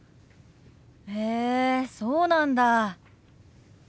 へえそうなんだ。